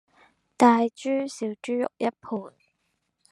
大豬小豬肉一盤